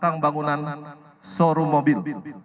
belakang bangunan sorum mobil